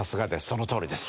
そのとおりです。